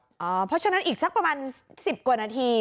เพราะฉะนั้นอีกสักประมาณ๑๐กว่านาที